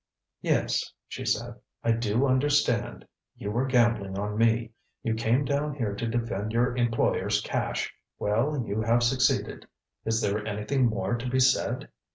"Yes," she said, "I do understand. You were gambling on me. You came down here to defend your employer's cash. Well, you have succeeded. Is there anything more to be said?"